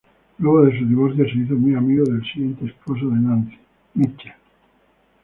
Luego de su divorcio se hizo muy amigo del siguiente esposo de Nancy, Mitchel.